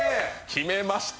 決めました。